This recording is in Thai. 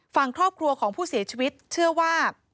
ฝั่งครอบครัวของผู้เสียชีวิตเชื่อว่า